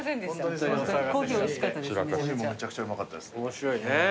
面白いね。